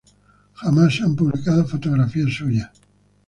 Jamás se han publicado fotografías suyas.